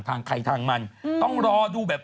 ทางใครทางมันต้องรอดูแบบ